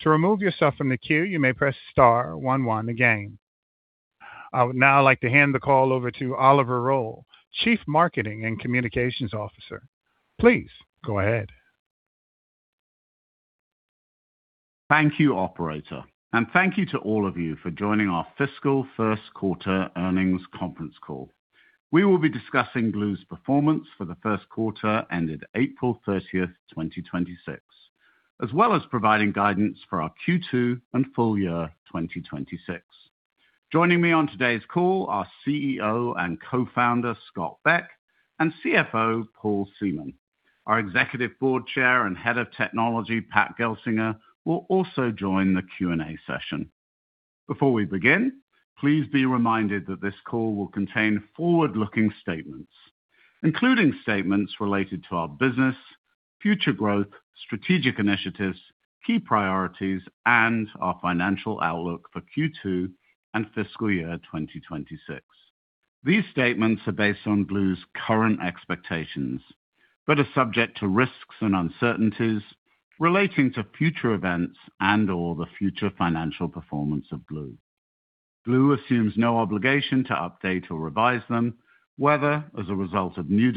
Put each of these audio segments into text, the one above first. To remove yourself from the queue, you may press star one one again. I would now like to hand the call over to Oliver Roll, Chief Marketing & Communications Officer. Please go ahead. Thank you, operator. Thank you to all of you for joining our fiscal first quarter earnings conference call. We will be discussing Gloo's performance for the first quarter ended April 30th, 2026, as well as providing guidance for our Q2 and full year 2026. Joining me on today's call are CEO and Co-Founder, Scott Beck, and CFO, Paul Seamon. Our Executive Board Chair and Head of Technology, Pat Gelsinger, will also join the Q&A session. Before we begin, please be reminded that this call will contain forward-looking statements, including statements related to our business, future growth, strategic initiatives, key priorities, and our financial outlook for Q2 and fiscal year 2026. These statements are based on Gloo's current expectations, but are subject to risks and uncertainties relating to future events and/or the future financial performance of Gloo. Gloo assumes no obligation to update or revise them, whether as a result of new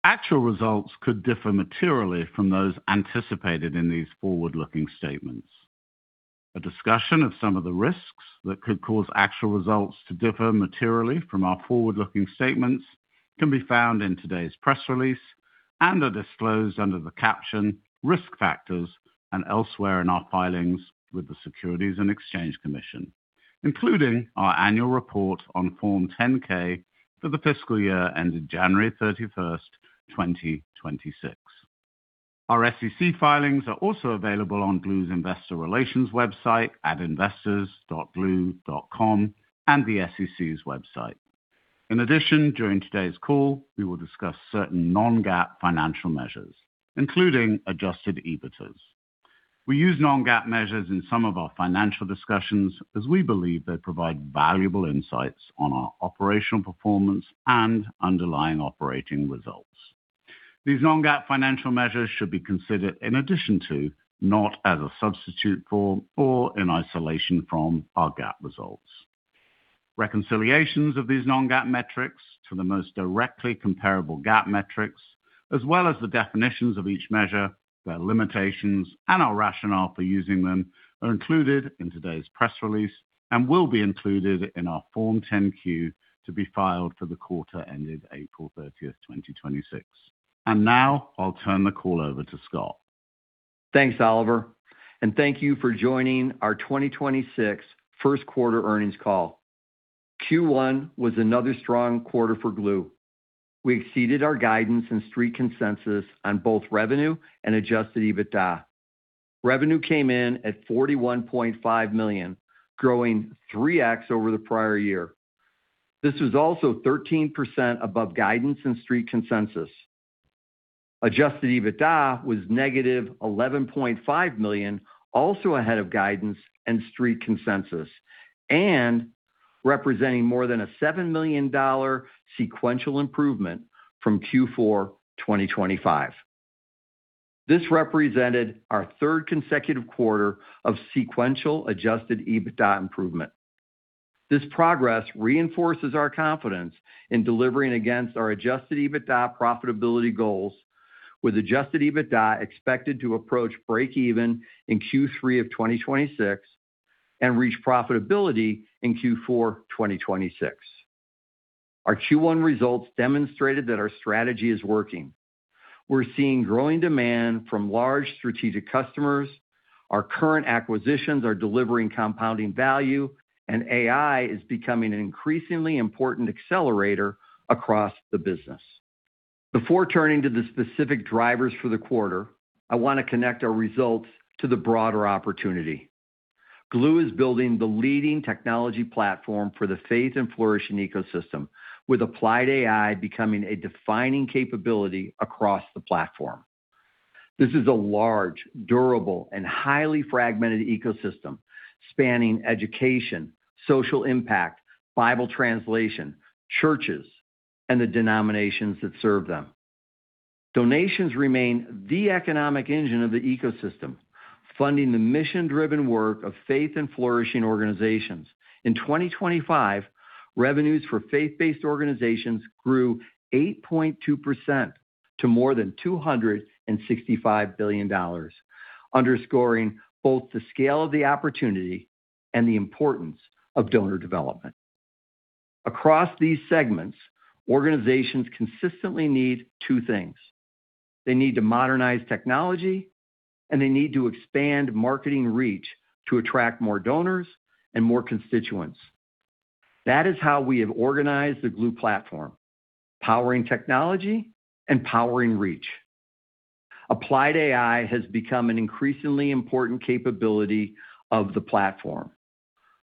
developments or otherwise. Actual results could differ materially from those anticipated in these forward-looking statements. A discussion of some of the risks that could cause actual results to differ materially from our forward-looking statements can be found in today's press release and are disclosed under the caption "Risk Factors" and elsewhere in our filings with the Securities and Exchange Commission, including our annual report on Form 10-K for the fiscal year ended January 31st, 2026. Our SEC filings are also available on Gloo's investor relations website at investors.gloo.com and the SEC's website. In addition, during today's call, we will discuss certain non-GAAP financial measures, including adjusted EBITDA. We use non-GAAP measures in some of our financial discussions as we believe they provide valuable insights on our operational performance and underlying operating results. These non-GAAP financial measures should be considered in addition to, not as a substitute for or in isolation from, our GAAP results. Reconciliations of these non-GAAP metrics to the most directly comparable GAAP metrics, as well as the definitions of each measure, their limitations, and our rationale for using them, are included in today's press release and will be included in our Form 10-Q to be filed for the quarter ended April 30th, 2026. Now I'll turn the call over to Scott. Thanks, Oliver, and thank you for joining our 2026 first quarter earnings call. Q1 was another strong quarter for Gloo. We exceeded our guidance and street consensus on both revenue and adjusted EBITDA. Revenue came in at $41.5 million, growing 3x over the prior year. This was also 13% above guidance and street consensus. Adjusted EBITDA was negative $11.5 million, also ahead of guidance and street consensus, and representing more than a $7 million sequential improvement from Q4 2025. This represented our third consecutive quarter of sequential adjusted EBITDA improvement. This progress reinforces our confidence in delivering against our adjusted EBITDA profitability goals with adjusted EBITDA expected to approach breakeven in Q3 of 2026 and reach profitability in Q4 2026. Our Q1 results demonstrated that our strategy is working. We're seeing growing demand from large strategic customers. Our current acquisitions are delivering compounding value, and AI is becoming an increasingly important accelerator across the business. Before turning to the specific drivers for the quarter, I want to connect our results to the broader opportunity. Gloo is building the leading technology platform for the faith and flourishing ecosystem, with Applied AI becoming a defining capability across the platform. This is a large, durable, and highly fragmented ecosystem spanning education, social impact, Bible translation, churches, and the denominations that serve them. Donations remain the economic engine of the ecosystem, funding the mission-driven work of faith and flourishing organizations. In 2025, revenues for faith-based organizations grew 8.2% to more than $265 billion, underscoring both the scale of the opportunity and the importance of donor development. Across these segments, organizations consistently need two things. They need to modernize technology, and they need to expand marketing reach to attract more donors and more constituents. That is how we have organized the Gloo platform, Powering Tech and Powering Reach. Applied AI has become an increasingly important capability of the platform.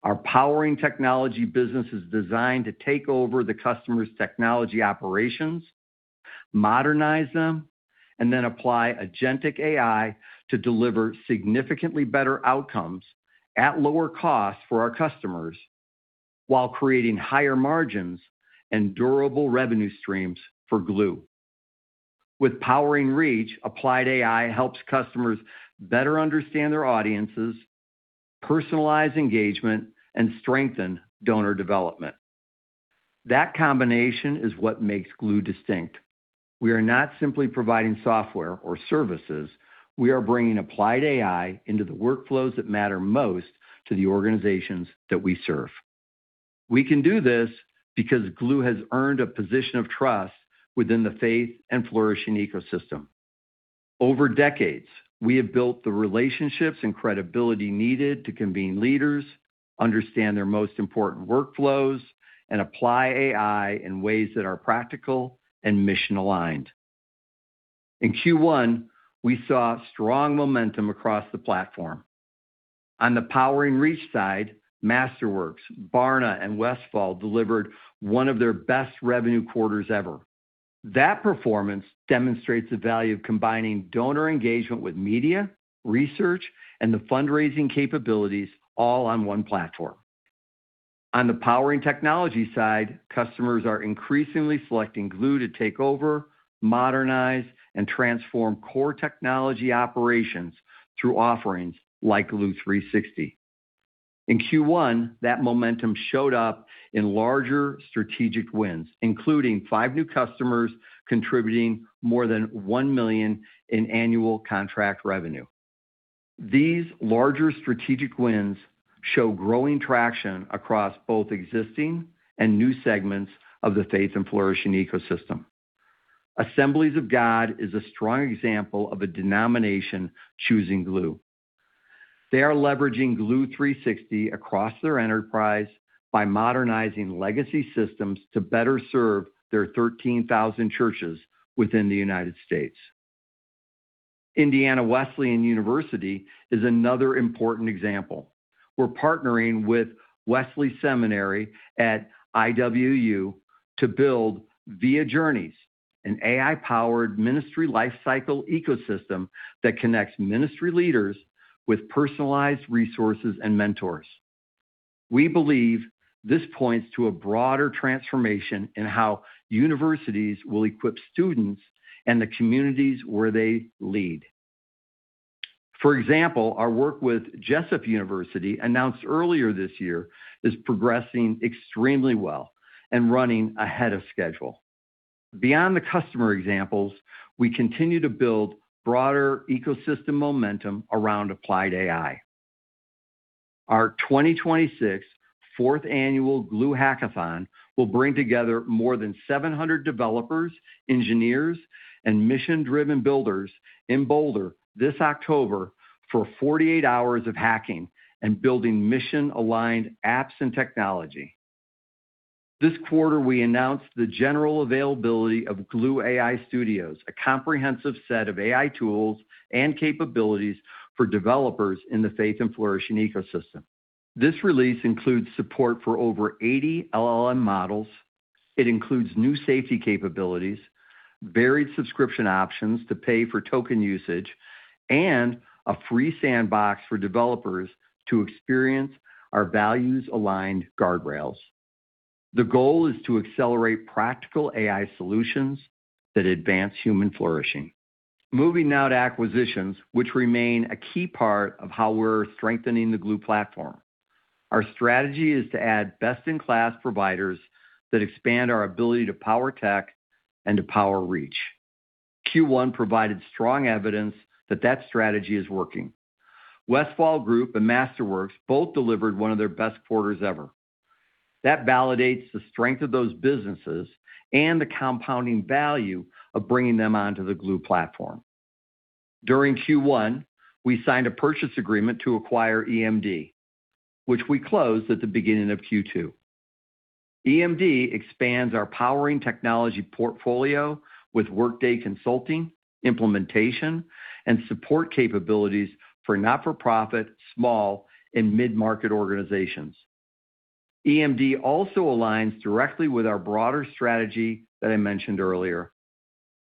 Our Powering Tech business is designed to take over the customer's technology operations, modernize them, and then apply agentic AI to deliver significantly better outcomes at lower costs for our customers while creating higher margins and durable revenue streams for Gloo. With Powering Reach, Applied AI helps customers better understand their audiences, personalize engagement, and strengthen donor development. That combination is what makes Gloo distinct. We are not simply providing software or services. We are bringing Applied AI into the workflows that matter most to the organizations that we serve. We can do this because Gloo has earned a position of trust within the faith and flourishing ecosystem. Over decades, we have built the relationships and credibility needed to convene leaders, understand their most important workflows, and apply AI in ways that are practical and mission-aligned. In Q1, we saw strong momentum across the platform. On the Powering Reach side, Masterworks, Barna, and Westfall delivered one of their best revenue quarters ever. That performance demonstrates the value of combining donor engagement with media, research, and the fundraising capabilities all on one platform. On the Powering Technology side, customers are increasingly selecting Gloo to take over, modernize, and transform core technology operations through offerings like Gloo360. In Q1, that momentum showed up in larger strategic wins, including five new customers contributing more than one million in annual contract revenue. These larger strategic wins show growing traction across both existing and new segments of the faith and flourishing ecosystem. Assemblies of God is a strong example of a denomination choosing Gloo. They are leveraging Gloo360 across their enterprise by modernizing legacy systems to better serve their 13,000 churches within the United States. Indiana Wesleyan University is another important example. We're partnering with Wesley Seminary at IWU to build VIA Journeys, an AI-powered ministry life cycle ecosystem that connects ministry leaders with personalized resources and mentors. We believe this points to a broader transformation in how universities will equip students and the communities where they lead. For example, our work with Jessup University, announced earlier this year, is progressing extremely well and running ahead of schedule. Beyond the customer examples, we continue to build broader ecosystem momentum around Applied AI. Our 2026 fourth annual Gloo Hackathon will bring together more than 700 developers, engineers, and mission-driven builders in Boulder this October for 48 hours of hacking and building mission-aligned apps and technology. This quarter, we announced the general availability of Gloo AI Studio, a comprehensive set of AI tools and capabilities for developers in the faith and flourishing ecosystem. This release includes support for over 80 LLM models. It includes new safety capabilities, varied subscription options to pay for token usage, and a free sandbox for developers to experience our values-aligned guardrails. The goal is to accelerate practical AI solutions that advance human flourishing. Moving now to acquisitions, which remain a key part of how we're strengthening the Gloo platform. Our strategy is to add best-in-class providers that expand our ability to Powering Tech and to Powering Reach. Q1 provided strong evidence that strategy is working. Westfall Group and Masterworks both delivered one of their best quarters ever. That validates the strength of those businesses and the compounding value of bringing them onto the Gloo platform. During Q1, we signed a purchase agreement to acquire EMD, which we closed at the beginning of Q2. EMD expands our Powering Tech portfolio with Workday consulting, implementation, and support capabilities for not-for-profit, small, and mid-market organizations. EMD also aligns directly with our broader strategy that I mentioned earlier.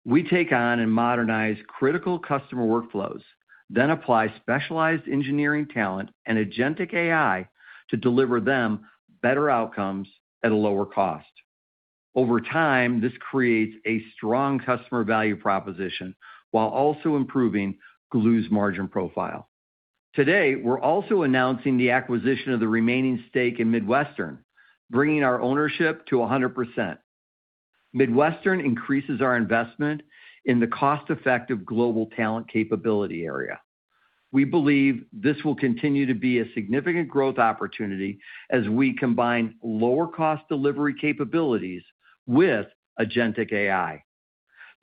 We take on and modernize critical customer workflows, then apply specialized engineering talent and agentic AI to deliver them better outcomes at a lower cost. Over time, this creates a strong customer value proposition while also improving Gloo's margin profile. Today, we're also announcing the acquisition of the remaining stake in Midwestern, bringing our ownership to 100%. Midwestern increases our investment in the cost-effective global talent capability area. We believe this will continue to be a significant growth opportunity as we combine lower-cost delivery capabilities with agentic AI.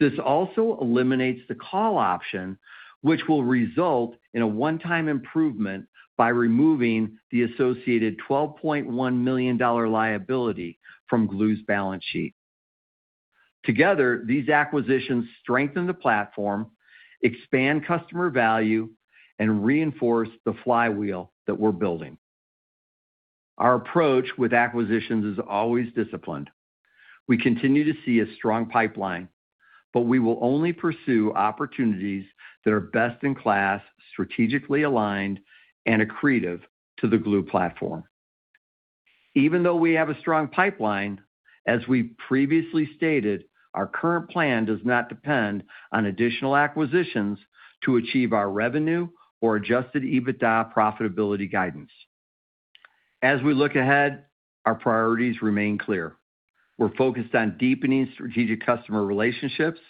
This also eliminates the call option, which will result in a one-time improvement by removing the associated $12.1 million liability from Gloo's balance sheet. Together, these acquisitions strengthen the platform, expand customer value, and reinforce the flywheel that we're building. Our approach with acquisitions is always disciplined. We continue to see a strong pipeline, but we will only pursue opportunities that are best in class, strategically aligned, and accretive to the Gloo platform. Even though we have a strong pipeline, as we previously stated, our current plan does not depend on additional acquisitions to achieve our revenue or adjusted EBITDA profitability guidance. As we look ahead, our priorities remain clear. We're focused on deepening strategic customer relationships,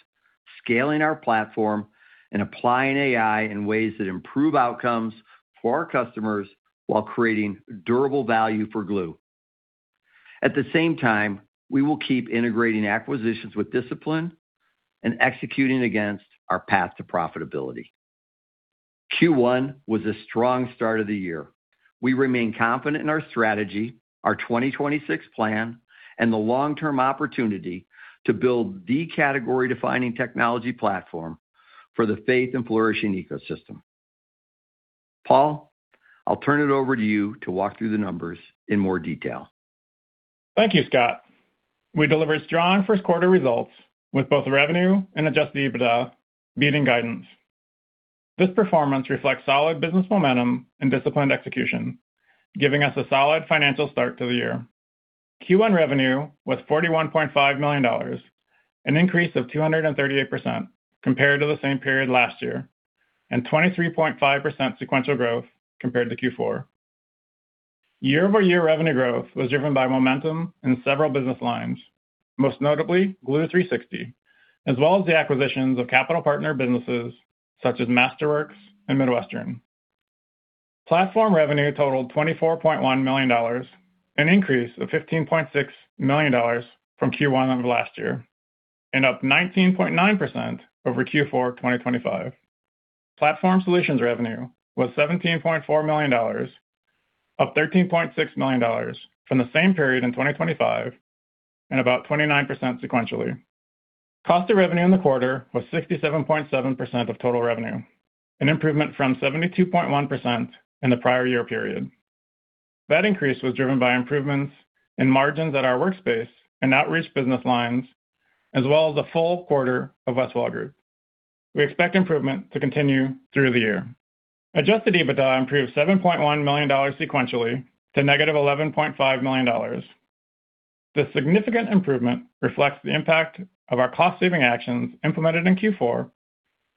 scaling our platform, and applying AI in ways that improve outcomes for our customers while creating durable value for Gloo. At the same time, we will keep integrating acquisitions with discipline and executing against our path to profitability. Q1 was a strong start of the year. We remain confident in our strategy, our 2026 plan, and the long-term opportunity to build the category-defining technology platform for the faith and flourishing ecosystem. Paul, I'll turn it over to you to walk through the numbers in more detail. Thank you, Scott. We delivered strong first quarter results with both revenue and adjusted EBITDA beating guidance. This performance reflects solid business momentum and disciplined execution, giving us a solid financial start to the year. Q1 revenue was $41.5 million, an increase of 238% compared to the same period last year, and 23.5% sequential growth compared to Q4. Year-over-year revenue growth was driven by momentum in several business lines, most notably Gloo 360, as well as the acquisitions of Capital Partner businesses such as Masterworks and Midwestern. Platform revenue totaled $24.1 million, an increase of $15.6 million from Q1 of last year, and up 19.9% over Q4 2025. Platform solutions revenue was $17.4 million, up $13.6 million from the same period in 2025, and about 29% sequentially. Cost of revenue in the quarter was 67.7% of total revenue, an improvement from 72.1% in the prior year period. That increase was driven by improvements in margins at our Workspace and Outreach business lines, as well as the full quarter of Westfall Group. We expect improvement to continue through the year. Adjusted EBITDA improved $7.1 million sequentially to negative $11.5 million. This significant improvement reflects the impact of our cost-saving actions implemented in Q4,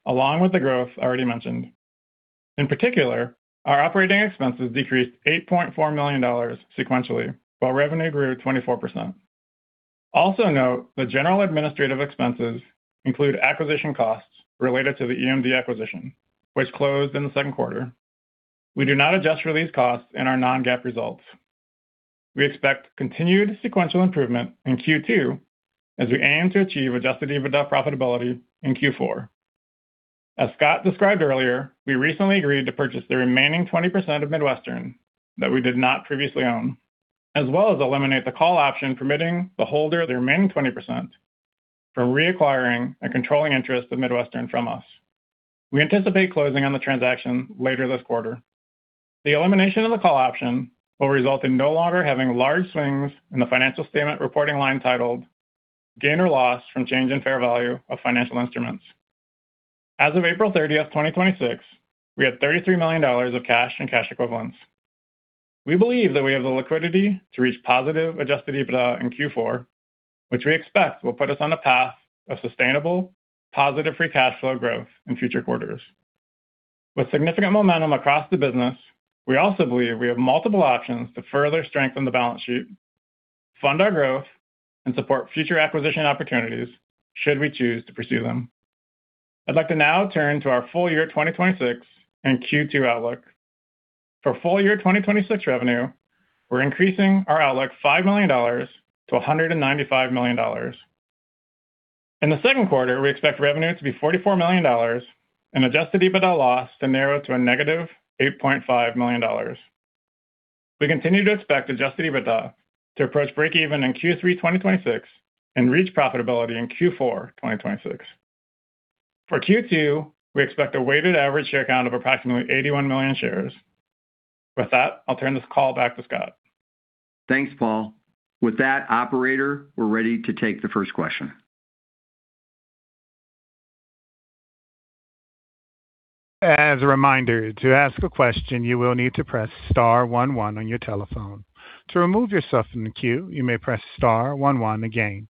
along with the growth already mentioned. In particular, our operating expenses decreased $8.4 million sequentially, while revenue grew 24%. Also note that general administrative expenses include acquisition costs related to the EMD acquisition, which closed in the second quarter. We do not adjust for these costs in our non-GAAP results. We expect continued sequential improvement in Q2 as we aim to achieve adjusted EBITDA profitability in Q4. As Scott described earlier, we recently agreed to purchase the remaining 20% of Midwestern that we did not previously own, as well as eliminate the call option permitting the holder of the remaining 20% from reacquiring a controlling interest of Midwestern from us. We anticipate closing on the transaction later this quarter. The elimination of the call option will result in no longer having large swings in the financial statement reporting line titled "Gain or Loss from Change in Fair Value of Financial Instruments." As of April 30th, 2026, we had $33 million of cash and cash equivalents. We believe that we have the liquidity to reach positive adjusted EBITDA in Q4, which we expect will put us on a path of sustainable, positive free cash flow growth in future quarters. With significant momentum across the business, we also believe we have multiple options to further strengthen the balance sheet, fund our growth, and support future acquisition opportunities should we choose to pursue them. I'd like to now turn to our full year 2026 and Q2 outlook. For full year 2026 revenue, we're increasing our outlook $5 million-$195 million. In the second quarter, we expect revenue to be $44 million and adjusted EBITDA loss to narrow to a -$8.5 million. We continue to expect adjusted EBITDA to approach breakeven in Q3 2026 and reach profitability in Q4 2026. For Q2, we expect a weighted average share count of approximately 81 million shares. With that, I'll turn this call back to Scott. Thanks, Paul. With that, operator, we're ready to take the first question. As a reminder, to ask a question, you will need to press star one one on your telephone. To remove yourself from the queue, you may press star one one again.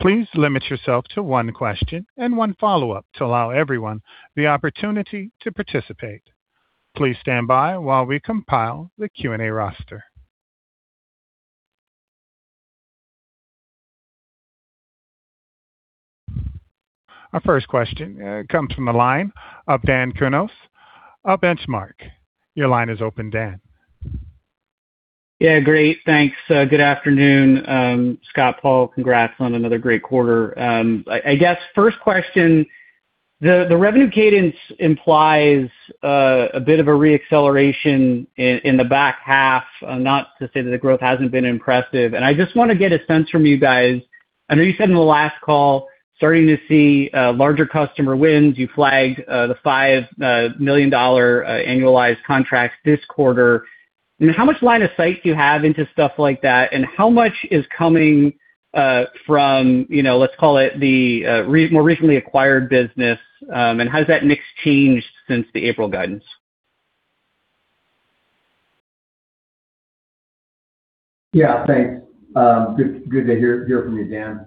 Please limit yourself to one question and one follow-up to allow everyone the opportunity to participate. Please stand by while we compile the Q&A roster. Our first question comes from the line of Daniel Kurnos of Benchmark. Your line is open, Dan. Great. Thanks. Good afternoon, Scott, Paul. Congrats on another great quarter. I guess first question, the revenue cadence implies a bit of a re-acceleration in the back half. Not to say that the growth hasn't been impressive, and I just want to get a sense from you guys. I know you said in the last call, starting to see larger customer wins. You flagged the $5 million annualized contracts this quarter. And how much line of sight do you have into stuff like that, and how much is coming from, let's call it the more recently acquired business, and how has that mix changed since the April guidance? Yeah, thanks. Good to hear from you, Dan.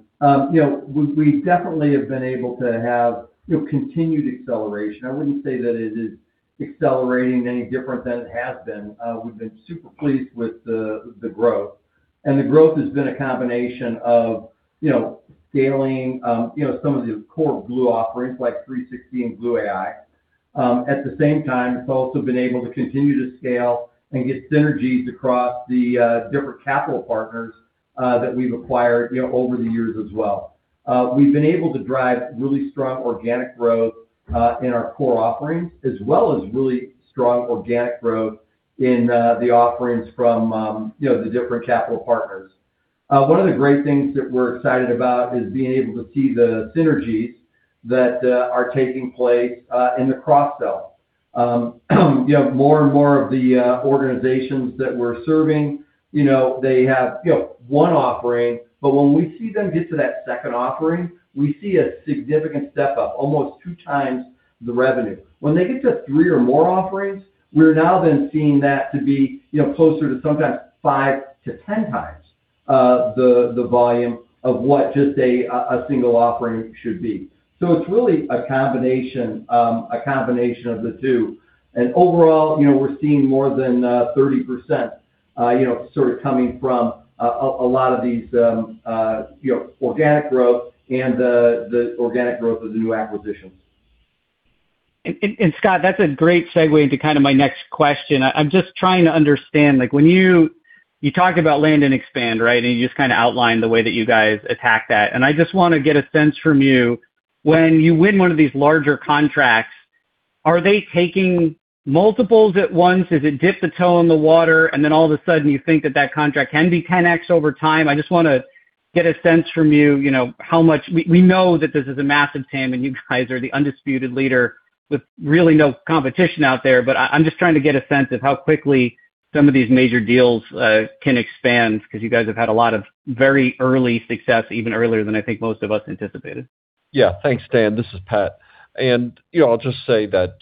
We definitely have been able to have continued acceleration. I wouldn't say that it is accelerating any different than it has been. We've been super pleased with the growth. The growth has been a combination of scaling some of the core Gloo offerings like 360 and Gloo AI. At the same time, it's also been able to continue to scale and get synergies across the different Capital Partners that we've acquired over the years as well. We've been able to drive really strong organic growth in our core offerings, as well as really strong organic growth in the offerings from the different Capital Partners. One of the great things that we're excited about is being able to see the synergies that are taking place in the cross-sell. More and more of the organizations that we're serving, they have one offering, but when we see them get to that second offering, we see a significant step-up, almost two times the revenue. When they get to three or more offerings, we're now then seeing that to be closer to sometimes 5x-10x the volume of what just a single offering should be. It's really a combination of the two. Overall, we're seeing more than 30% sort of coming from a lot of these organic growth and the organic growth of the new acquisitions. Scott, that's a great segue into my next question. I'm just trying to understand, you talked about land and expand, right? You just outlined the way that you guys attack that. I just want to get a sense from you, when you win one of these larger contracts, are they taking multiples at once? Is it dip the toe in the water, and then all of a sudden you think that that contract can be 10x over time? I just want to get a sense from you, we know that this is a massive TAM and you guys are the undisputed leader with really no competition out there, I'm just trying to get a sense of how quickly some of these major deals can expand, because you guys have had a lot of very early success, even earlier than I think most of us anticipated. Yeah. Thanks, Dan. This is Pat. I'll just say that,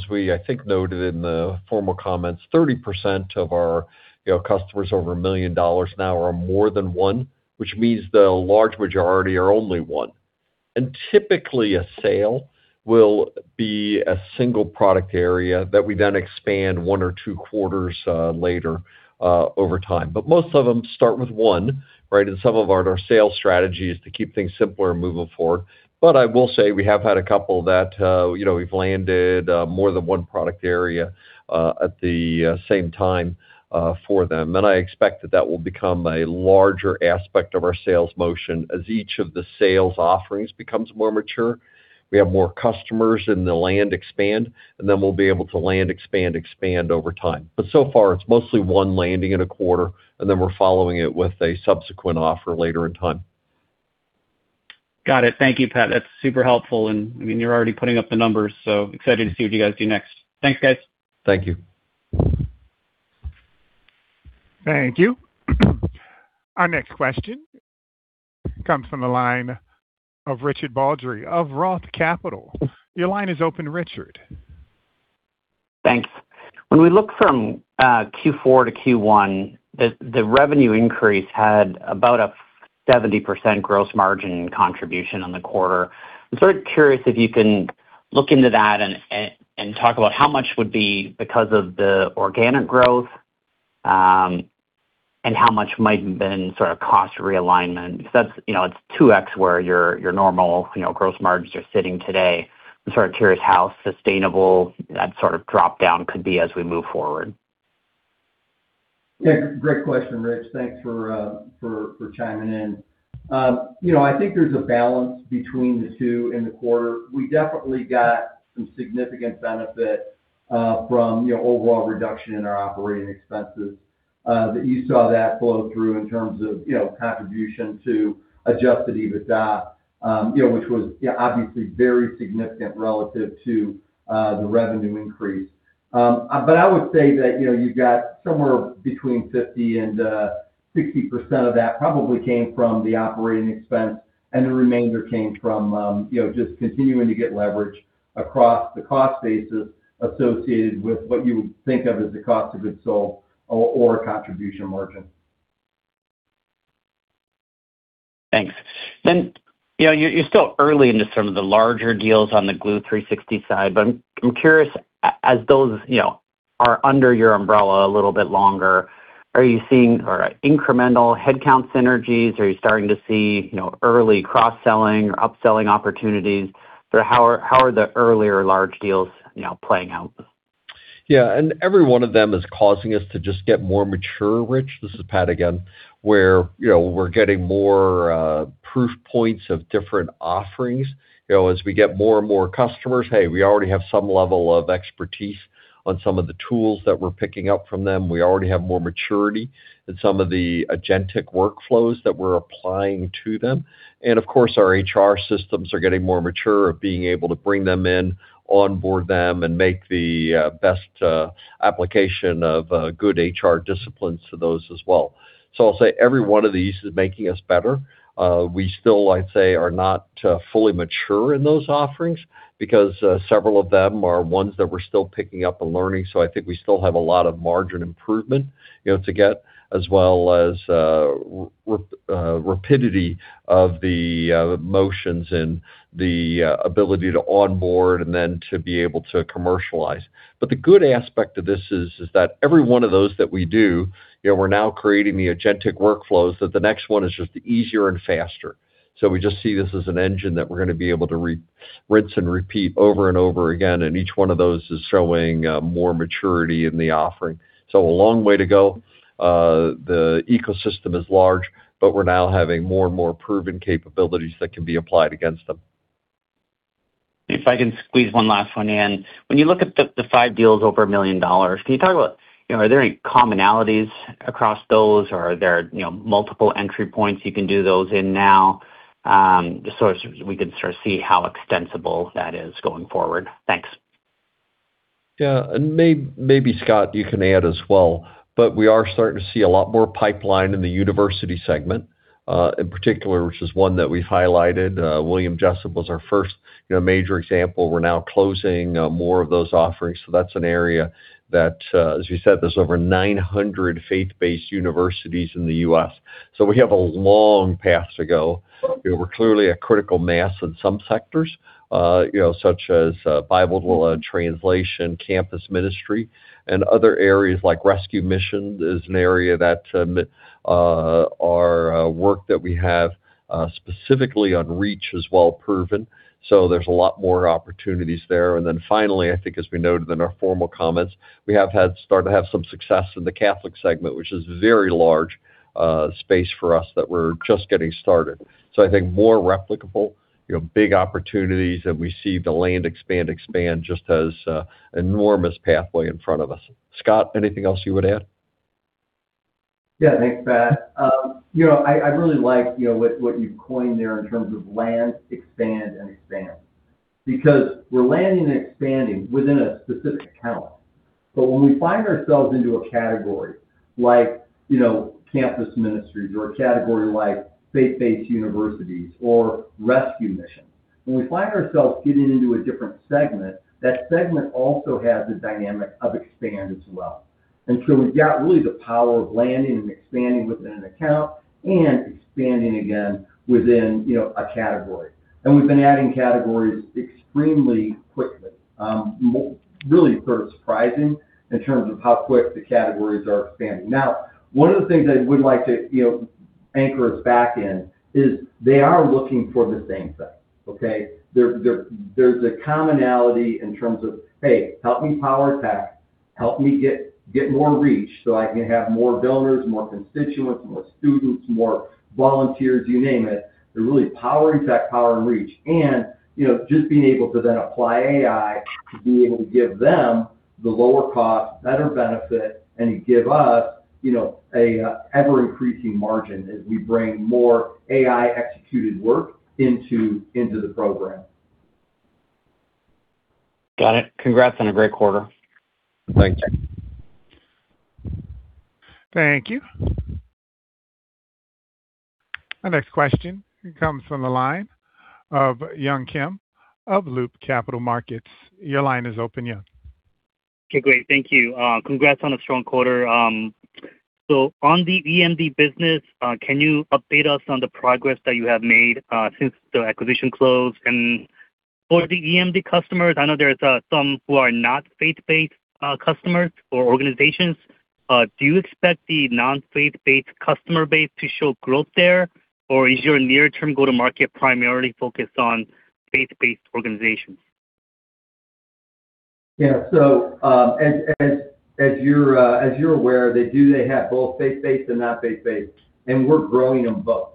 as we, I think, noted in the formal comments, 30% of our customers over $1 million now are on more than one, which means the large majority are only one. Typically, a sale will be a single product area that we then expand one or two quarters later over time. Most of them start with one, right? Some of our sales strategy is to keep things simpler and moving forward. I will say, we have had a couple that we've landed more than one product area at the same time for them. I expect that that will become a larger aspect of our sales motion as each of the sales offerings becomes more mature, we have more customers in the land expand, and then we'll be able to land expand over time. So far, it's mostly one landing in a quarter, then we're following it with a subsequent offer later in time. Got it. Thank you, Pat. That's super helpful, you're already putting up the numbers, excited to see what you guys do next. Thanks, guys. Thank you. Thank you. Our next question comes from the line of Richard Baldry of Roth Capital. Your line is open, Richard. Thanks. When we look from Q4 to Q1, the revenue increase had about a 70% gross margin contribution on the quarter. I'm sort of curious if you can look into that and talk about how much would be because of the organic growth, and how much might have been sort of cost realignment. It's 2x where your normal gross margins are sitting today. I'm sort of curious how sustainable that sort of drop-down could be as we move forward. Yeah, great question, Rich. Thanks for chiming in. I think there's a balance between the two in the quarter. We definitely got some significant benefit from overall reduction in our operating expenses, that you saw that flow through in terms of contribution to adjusted EBITDA which was obviously very significant relative to the revenue increase. I would say that you've got somewhere between 50% and 60% of that probably came from the operating expense, and the remainder came from just continuing to get leverage across the cost basis associated with what you would think of as the cost of goods sold or contribution margin. Thanks. You're still early into some of the larger deals on the Gloo360 side, I'm curious as those are under your umbrella a little bit longer, are you seeing incremental headcount synergies? Are you starting to see early cross-selling or upselling opportunities? How are the earlier large deals playing out? Yeah, every one of them is causing us to just get more mature, Rich. This is Pat again. We're getting more proof points of different offerings. As we get more and more customers, hey, we already have some level of expertise on some of the tools that we're picking up from them. We already have more maturity in some of the agentic workflows that we're applying to them. Of course, our HR systems are getting more mature of being able to bring them in, onboard them, and make the best application of good HR disciplines to those as well. I'll say every one of these is making us better. We still, I'd say, are not fully mature in those offerings because several of them are ones that we're still picking up and learning. I think we still have a lot of margin improvement to get, as well as rapidity of the motions and the ability to onboard and then to be able to commercialize. The good aspect of this is that every one of those that we do, we are now creating the agentic workflows that the next one is just easier and faster. We just see this as an engine that we are going to be able to rinse and repeat over and over again, and each one of those is showing more maturity in the offering. A long way to go. The ecosystem is large, but we are now having more and more proven capabilities that can be applied against them. If I can squeeze one last one in. When you look at the five deals over $1 million, can you talk about, are there any commonalities across those or are there multiple entry points you can do those in now? Just so we can sort of see how extensible that is going forward. Thanks. Maybe Scott, you can add as well, but we are starting to see a lot more pipeline in the university segment, in particular, which is one that we have highlighted. William Jessup was our first major example. We are now closing more of those offerings. That is an area that, as you said, there is over 900 faith-based universities in the U.S. We have a long path to go. We are clearly a critical mass in some sectors, such as Bible translation, campus ministry, and other areas like rescue mission is an area that our work that we have specifically on Powering Reach is well proven. There is a lot more opportunities there. Finally, I think as we noted in our formal comments, we have started to have some success in the Catholic segment, which is a very large space for us that we are just getting started. I think more replicable, big opportunities that we see the land expand just as enormous pathway in front of us. Scott, anything else you would add? Thanks, Pat. I really like what you've coined there in terms of land, expand and expand, because we're landing and expanding within a specific account. When we find ourselves into a category like campus ministries or a category like faith-based universities or rescue mission, when we find ourselves getting into a different segment, that segment also has the dynamic of expand as well. We've got really the power of landing and expanding within an account and expanding again within a category. We've been adding categories extremely quickly. Really sort of surprising in terms of how quick the categories are expanding. One of the things I would like to anchor us back in is they are looking for the same thing, okay? There's a commonality in terms of, hey, help me Power Tech, help me get more Power Reach so I can have more donors, more constituents, more students, more volunteers, you name it. They're really Power Tech, Power Reach, just being able to then apply AI to be able to give them the lower cost, better benefit, and to give us an ever-increasing margin as we bring more AI-executed work into the program. Got it. Congrats on a great quarter. Thank you. Thank you. Our next question comes from the line of Yun Kim of Loop Capital Markets. Your line is open, Yun. Okay, great. Thank you. Congrats on a strong quarter. On the Enterprise Marketdesk business, can you update us on the progress that you have made since the acquisition closed? And for the Enterprise Marketdesk customers, I know there's some who are not faith-based customers or organizations. Do you expect the non-faith-based customer base to show growth there? Or is your near-term go-to-market primarily focused on faith-based organizations? Yeah. As you're aware, they do have both faith-based and not faith-based, and we're growing them both.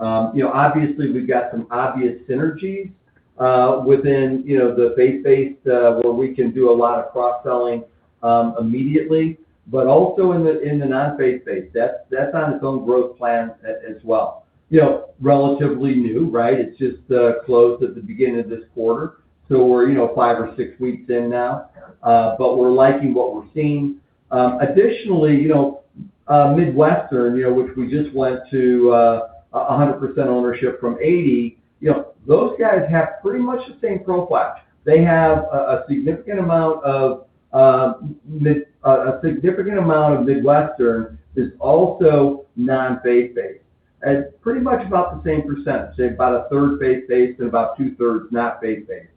Obviously, we've got some obvious synergies within the faith-based where we can do a lot of cross-selling immediately, but also in the non-faith-based. That's on its own growth plan as well. Relatively new, right? It just closed at the beginning of this quarter. We're five or six weeks in now. We're liking what we're seeing. Additionally, Midwestern, which we just went to 100% ownership from 80%, those guys have pretty much the same profile. A significant amount of Midwestern is also non-faith-based. It's pretty much about the same percentage, say about a third faith-based and about two-thirds not faith-based.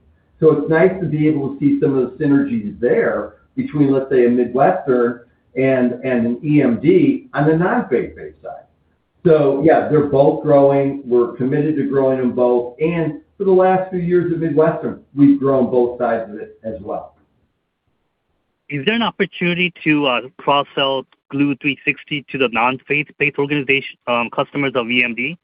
It's nice to be able to see some of the synergies there between, let's say, a Midwestern and an EMD on the non-faith-based side. Yeah, they're both growing. We're committed to growing them both. For the last few years at Midwestern, we've grown both sides of it as well. Is there an opportunity to cross-sell Gloo360 to the non-faith-based customers of EnterpriseMarketdesk?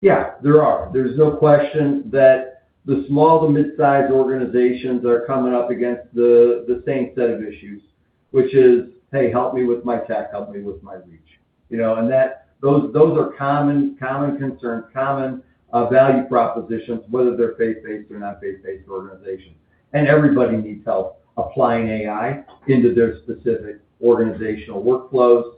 Yeah, there are. There's no question that the small to mid-size organizations are coming up against the same set of issues, which is, "Hey, help me with my tech, help me with my reach." Those are common concerns, common value propositions, whether they're faith-based or not faith-based organizations. Everybody needs help applying AI into their specific organizational workflows.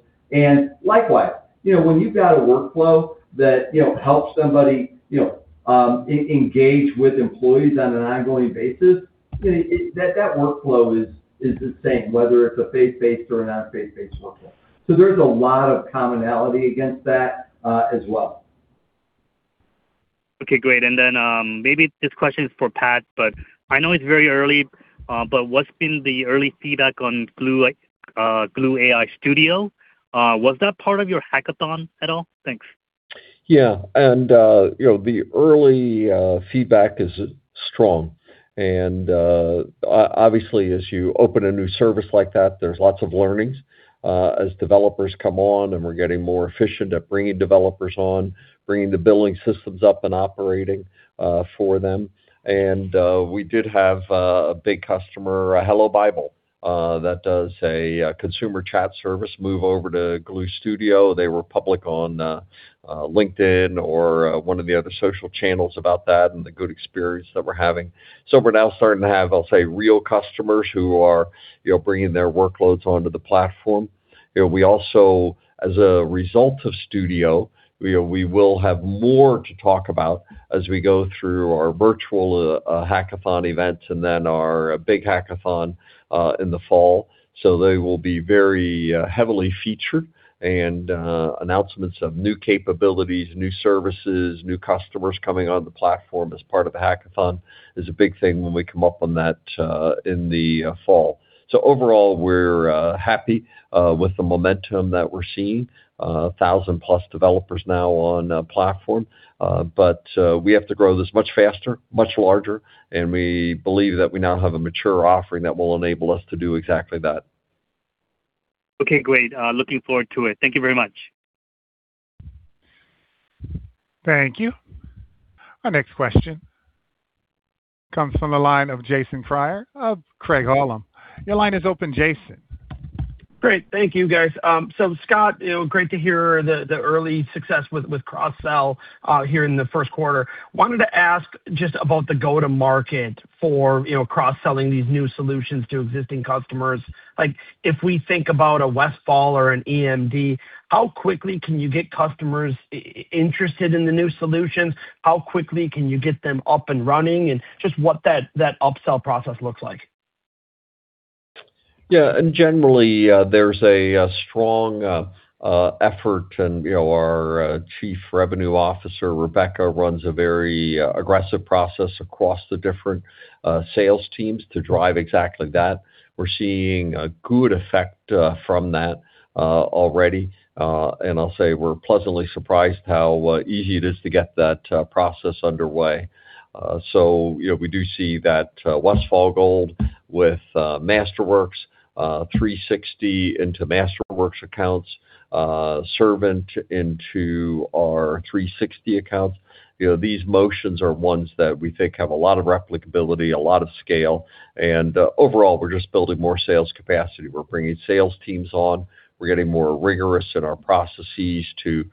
Likewise, when you've got a workflow that helps somebody engage with employees on an ongoing basis, that workflow is the same, whether it's a faith-based or a non-faith-based workflow. There's a lot of commonality against that as well. Okay, great. Maybe this question is for Pat, but I know it's very early, what's been the early feedback on Gloo AI Studio? Was that part of your Gloo AI Hackathon at all? Thanks. Yeah. The early feedback is strong. Obviously, as you open a new service like that, there's lots of learnings. As developers come on and we're getting more efficient at bringing developers on, bringing the billing systems up and operating for them. We did have a big customer, HelloBible, that does a consumer chat service move over to Gloo AI Studio. They were public on LinkedIn or one of the other social channels about that and the good experience that we're having. We're now starting to have, I'll say, real customers who are bringing their workloads onto the platform. We also, as a result of Studio, we will have more to talk about as we go through our virtual Gloo AI Hackathon events and then our big Gloo AI Hackathon in the fall. They will be very heavily featured and announcements of new capabilities, new services, new customers coming on the platform as part of the Hackathon is a big thing when we come up on that in the fall. Overall, we're happy with the momentum that we're seeing. 1,000+ developers now on platform. We have to grow this much faster, much larger, and we believe that we now have a mature offering that will enable us to do exactly that. Okay, great. Looking forward to it. Thank you very much. Thank you. Our next question comes from the line of Jason Kreyer of Craig-Hallum. Your line is open, Jason. Great. Thank you, guys. Scott, great to hear the early success with cross-sell here in the first quarter. Wanted to ask just about the go-to-market for cross-selling these new solutions to existing customers. If we think about a Westfall or an EMD, how quickly can you get customers interested in the new solutions? How quickly can you get them up and running? And just what that upsell process looks like. Generally, there's a strong effort and our Chief Revenue Officer, Rebecca, runs a very aggressive process across the different sales teams to drive exactly that. We're seeing a good effect from that already. I'll say we're pleasantly surprised how easy it is to get that process underway. We do see that Westfall Gold with Masterworks, 360 into Masterworks accounts, Servant into our 360 accounts. These motions are ones that we think have a lot of replicability, a lot of scale. Overall, we're just building more sales capacity. We're bringing sales teams on. We're getting more rigorous in our processes to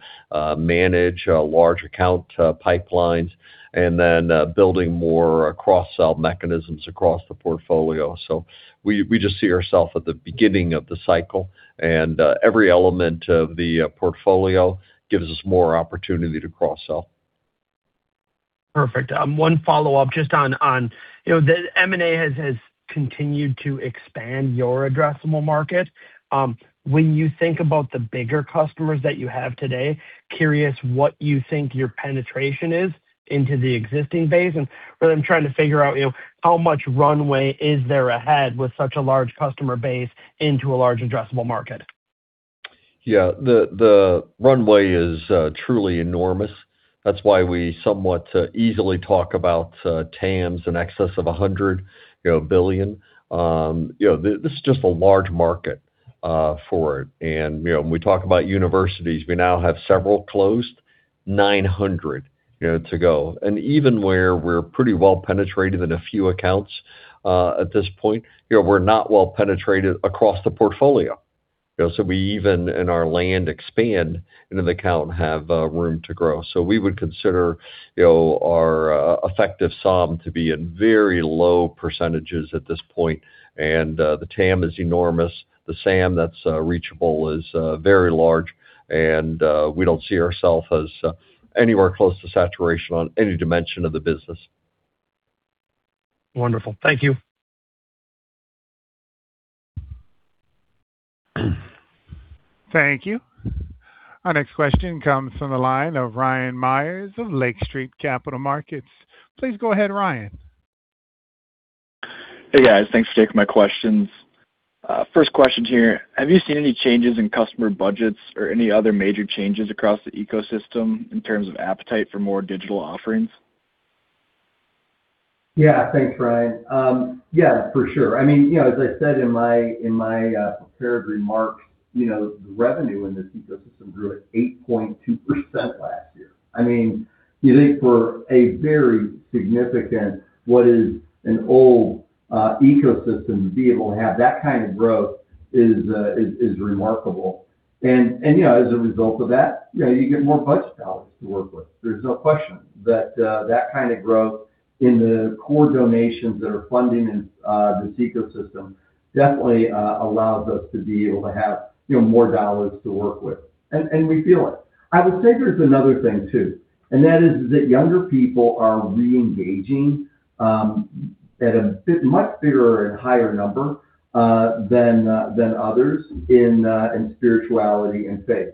manage large account pipelines. Then building more cross-sell mechanisms across the portfolio. We just see ourself at the beginning of the cycle, and every element of the portfolio gives us more opportunity to cross-sell. Perfect. One follow-up just on the M&A has continued to expand your addressable market. When you think about the bigger customers that you have today, curious what you think your penetration is into the existing base? I'm trying to figure out how much runway is there ahead with such a large customer base into a large addressable market. The runway is truly enormous. That's why we somewhat easily talk about TAMs in excess of $100 billion. This is just a large market for it. When we talk about universities, we now have several closed, 900 to go. Even where we're pretty well penetrated in a few accounts at this point, we're not well penetrated across the portfolio. We even in our land expand into the account have room to grow. We would consider our effective SOM to be in very low % at this point. The TAM is enormous. The SAM that's reachable is very large. We don't see ourself as anywhere close to saturation on any dimension of the business. Wonderful. Thank you. Thank you. Our next question comes from the line of Ryan Meyers of Lake Street Capital Markets. Please go ahead, Ryan. Hey, guys. Thanks for taking my questions. First question here. Have you seen any changes in customer budgets or any other major changes across the ecosystem in terms of appetite for more digital offerings? Thanks, Ryan. For sure. As I said in my prepared remarks, the revenue in this ecosystem grew at 8.2% last year. For a very significant, what is an old ecosystem, to be able to have that kind of growth is remarkable. As a result of that, you get more budget dollars to work with. There's no question that that kind of growth in the core donations that are funding this ecosystem definitely allows us to be able to have more dollars to work with. We feel it. I would say there's another thing, too, and that is that younger people are re-engaging at a much bigger and higher number than others in spirituality and faith.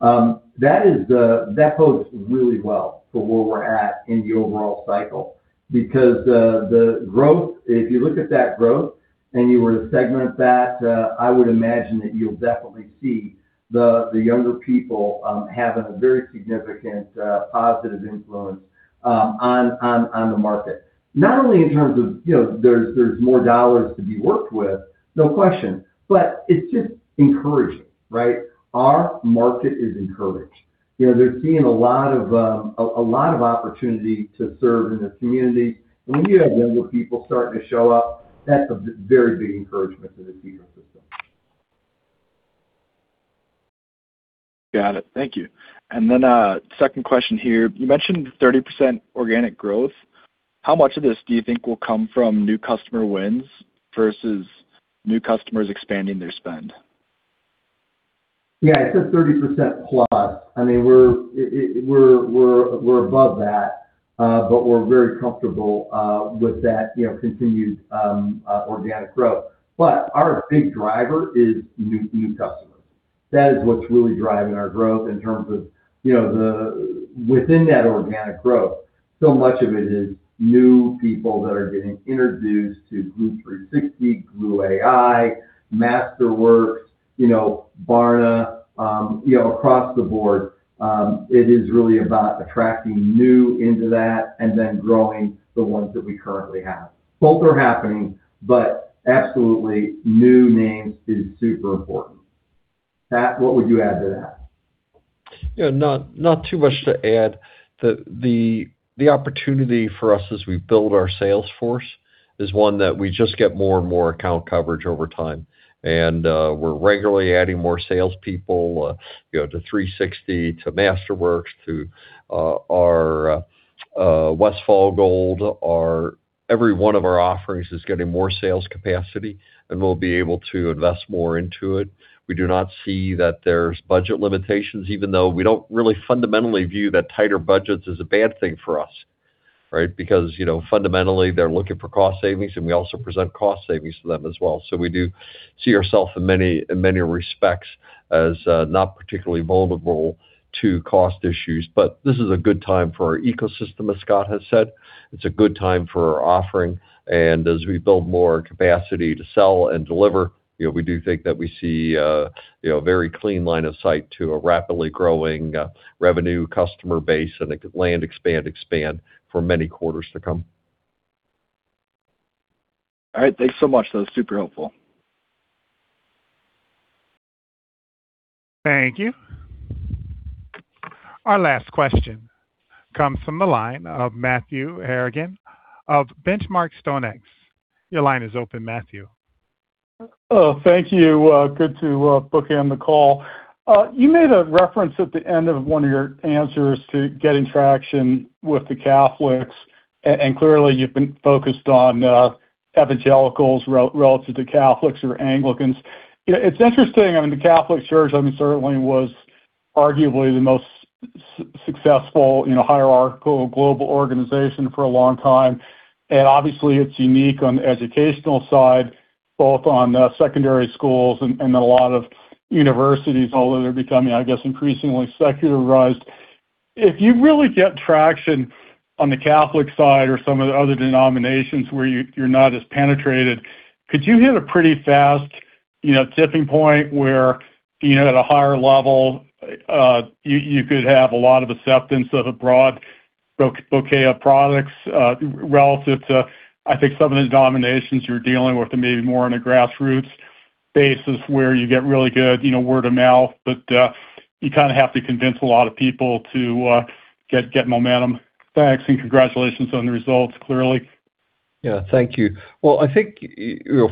That bodes really well for where we're at in the overall cycle. Because if you look at that growth and you were to segment that, I would imagine that you'll definitely see the younger people having a very significant positive influence on the market. Not only in terms of there's more dollars to be worked with, no question, but it's just encouraging. Our market is encouraged. They're seeing a lot of opportunity to serve in the community. When you have younger people starting to show up, that's a very big encouragement to this ecosystem. Got it. Thank you. Second question here. You mentioned 30% organic growth. How much of this do you think will come from new customer wins versus new customers expanding their spend? Yeah, I said 30% plus. We're above that. We're very comfortable with that continued organic growth. Our big driver is new customers. That is what's really driving our growth in terms of within that organic growth, so much of it is new people that are getting introduced to Gloo 360, Gloo AI, Masterworks, Barna, across the board. It is really about attracting new into that growing the ones that we currently have. Both are happening, absolutely new names is super important. Pat, what would you add to that? Not too much to add. The opportunity for us as we build our sales force is one that we just get more and more account coverage over time. We're regularly adding more salespeople to 360, to Masterworks, to our Westfall Gold. Every one of our offerings is getting more sales capacity, we'll be able to invest more into it. We do not see that there's budget limitations, even though we don't really fundamentally view that tighter budgets is a bad thing for us. Fundamentally, they're looking for cost savings, we also present cost savings to them as well. We do see ourself in many respects as not particularly vulnerable to cost issues. This is a good time for our ecosystem, as Scott has said. It's a good time for our offering. As we build more capacity to sell and deliver, we do think that we see a very clean line of sight to a rapidly growing revenue customer base and land expand for many quarters to come. All right. Thanks so much, though. Super helpful. Thank you. Our last question comes from the line of Matthew Harrigan of Benchmark StoneX. Your line is open, Matthew. Thank you. Good to book-end the call. You made a reference at the end of one of your answers to getting traction with the Catholics. Clearly you've been focused on Evangelicals relative to Catholics or Anglicans. It's interesting, the Catholic Church certainly was arguably the most successful hierarchical global organization for a long time. Obviously it's unique on the educational side, both on the secondary schools and a lot of universities, although they're becoming, I guess, increasingly secularized. If you really get traction on the Catholic side or some of the other denominations where you're not as penetrated, could you hit a pretty fast tipping point where at a higher level, you could have a lot of acceptance of a broad bouquet of products relative to, I think, some of the denominations you're dealing with maybe more on a grassroots basis where you get really good word of mouth. You have to convince a lot of people to get momentum. Thanks. Congratulations on the results, clearly. Yeah. Thank you. Well, I think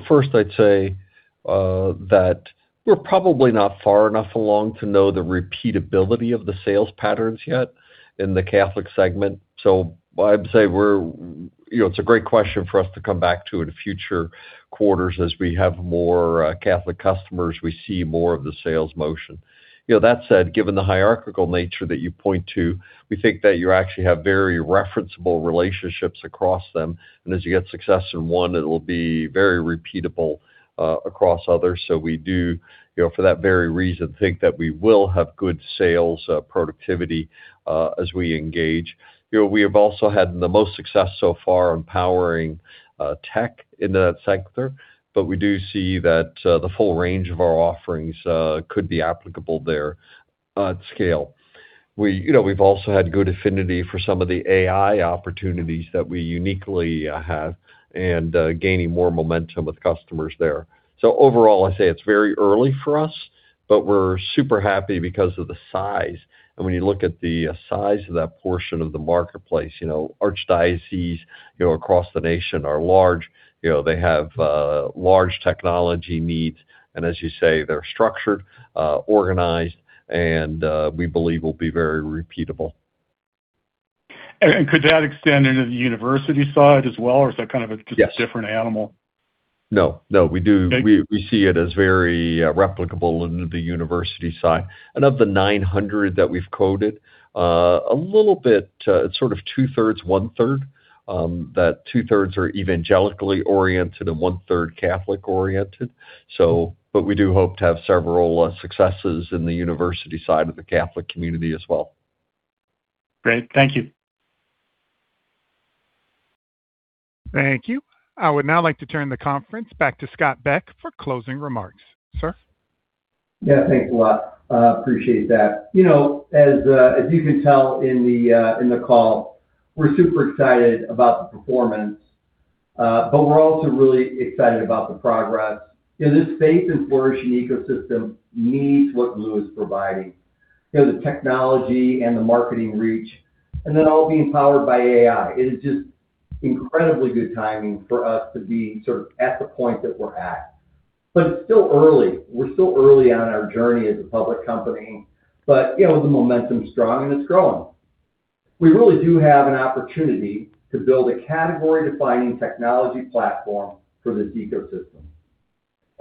first I'd say that we're probably not far enough along to know the repeatability of the sales patterns yet in the Catholic segment. I'd say it's a great question for us to come back to in future quarters as we have more Catholic customers, we see more of the sales motion. That said, given the hierarchical nature that you point to, we think that you actually have very referenceable relationships across them. As you get success in one, it'll be very repeatable across others. We do, for that very reason, think that we will have good sales productivity as we engage. We have also had the most success so far Powering Tech in that sector, but we do see that the full range of our offerings could be applicable there at scale. We've also had good affinity for some of the AI opportunities that we uniquely have and gaining more momentum with customers there. Overall, I say it's very early for us, but we're super happy because of the size. When you look at the size of that portion of the marketplace, archdioceses across the nation are large. They have large technology needs, and as you say, they're structured, organized, and we believe will be very repeatable. Could that extend into the university side as well, or is that kind of? Yes different animal? No. Okay We see it as very replicable into the university side. Of the 900 that we've quoted, a little bit, sort of 2/3, 1/3. 2/3 are evangelically oriented and 1/3 Catholic oriented. We do hope to have several successes in the university side of the Catholic community as well. Great. Thank you. Thank you. I would now like to turn the conference back to Scott Beck for closing remarks. Sir? Thanks a lot. Appreciate that. As you can tell in the call, we're super excited about the performance. We're also really excited about the progress. This faith and flourishing ecosystem needs what Gloo is providing. The technology and the marketing reach, all being powered by AI. It is just incredibly good timing for us to be sort of at the point that we're at. It's still early. We're still early on in our journey as a public company. The momentum's strong and it's growing. We really do have an opportunity to build a category-defining technology platform for this ecosystem.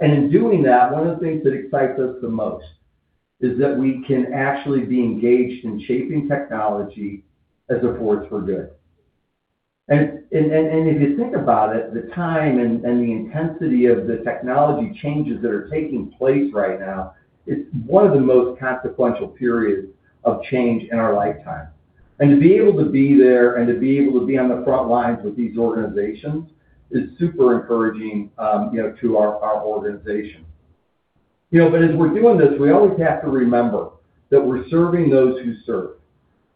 In doing that, one of the things that excites us the most is that we can actually be engaged in shaping technology as a force for good. If you think about it, the time and the intensity of the technology changes that are taking place right now, it's one of the most consequential periods of change in our lifetime. To be able to be there and to be able to be on the front lines with these organizations is super encouraging to our organization. As we're doing this, we always have to remember that we're serving those who serve.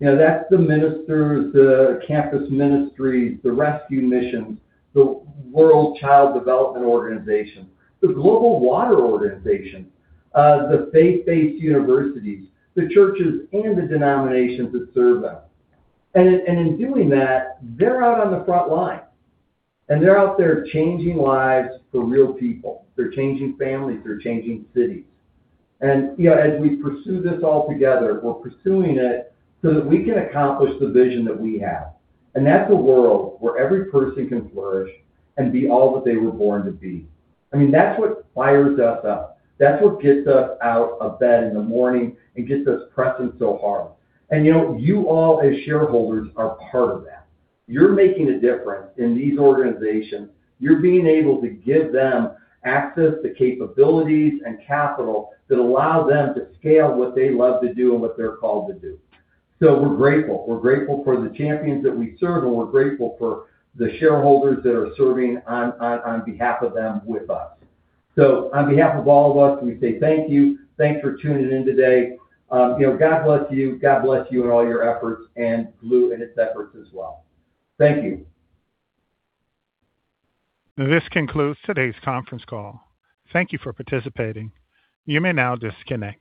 That's the ministers, the campus ministries, the rescue missions, the world child development organizations, the global water organizations, the faith-based universities, the churches and the denominations that serve them. In doing that, they're out on the front line, and they're out there changing lives for real people. They're changing families, they're changing cities. As we pursue this all together, we're pursuing it so that we can accomplish the vision that we have. That's a world where every person can flourish and be all that they were born to be. That's what fires us up. That's what gets us out of bed in the morning and gets us pressing so hard. You all, as shareholders, are part of that. You're making a difference in these organizations. You're being able to give them access to capabilities and capital that allow them to scale what they love to do and what they're called to do. We're grateful. We're grateful for the champions that we serve, and we're grateful for the shareholders that are serving on behalf of them with us. On behalf of all of us, we say thank you. Thanks for tuning in today. God bless you. God bless you in all your efforts and Gloo in its efforts as well. Thank you. This concludes today's conference call. Thank you for participating. You may now disconnect.